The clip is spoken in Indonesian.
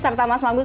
serta mas makbul